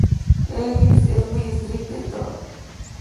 Ellis es muy estricta en todo.